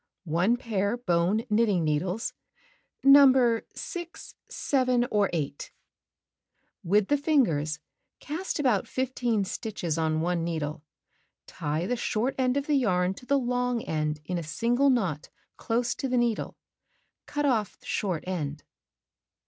One pair bone knitting needles, No. 6, 7, or 8. With the fingers, cast about 15 stitches on one needle. Tie the short end of yarn to the long end in a single knot close to the needle. Cut off short end.